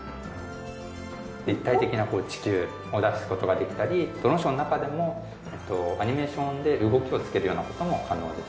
立体的な地球を出す事ができたりドローンショーの中でもアニメーションで動きをつけるような事も可能です。